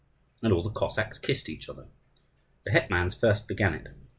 And all the Cossacks kissed each other. The hetmans first began it.